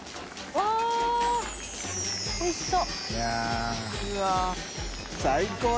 わぁおいしそう。